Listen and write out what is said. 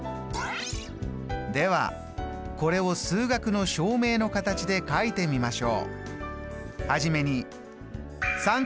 ではこれを数学の証明の形で書いてみましょう。